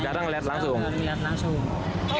kayaknya hitam dah